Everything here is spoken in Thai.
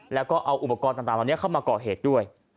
แล้วก็เอาอุปกรณ์ต่างเหล่านี้เข้ามาก่อเหตุด้วย